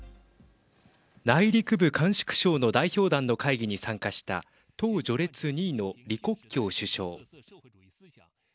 内陸部、甘粛省の代表団の会議に参加した党序列２位の李克強首相。